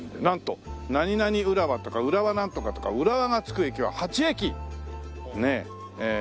なんと「何々浦和」とか「浦和なんとか」とか「浦和」が付く駅は８駅！ねえ。